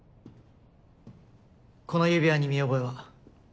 この指輪に見覚えは？